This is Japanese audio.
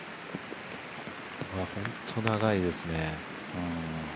本当、長いですね。